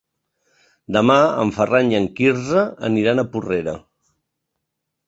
Demà en Ferran i en Quirze aniran a Porrera.